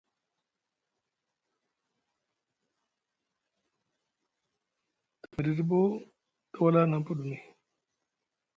Te miɗiɗi boo tawala na puɗumi.